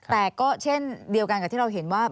แต่ก็เช่นเดียวกันกับที่เราเห็นว่า